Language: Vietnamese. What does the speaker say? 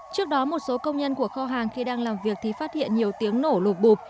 trước đó một số công nhân của kho hàng khi đang làm việc thì phát hiện nhiều tiếng nổ lụp bụp